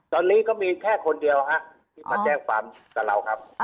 ตอนนี้ก็มีแค่คนเดียวฮะที่มาแจ้งความกับเราครับ